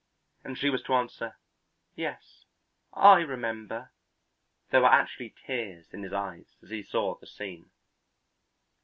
and she was to answer, "Yes, I remember." There were actually tears in his eyes as he saw the scene.